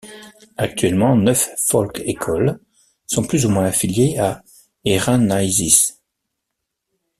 Actuellement, neuf folk écoles sont plus ou moins affiliés à herännäisyys.